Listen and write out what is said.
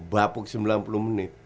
bapuk sembilan puluh menit